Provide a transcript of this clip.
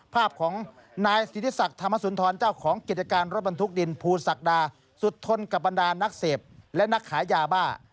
ภาพของนายสิทธิศักดิ์ธรรมสุนทรเจ้าของกิจการรถบรรทุกดินภูศักดาสุดทนกับบรรดานักเสพและนักขายยาบ้า